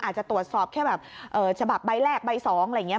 อาจจะตรวจสอบแค่แบบฉบับใบแรกใบ๒อะไรอย่างนี้